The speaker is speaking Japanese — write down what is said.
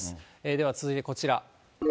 では続いてこちら。